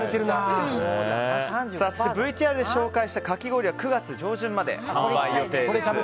そしてＶＴＲで紹介したかき氷は９月上旬まで販売予定です。